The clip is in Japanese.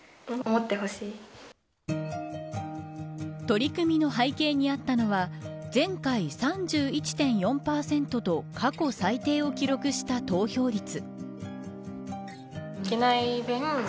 取り組みの背景にあったのは前回、３１．４％と過去最低を記録した投票率。